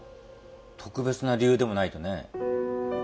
特別な理由でもないとね。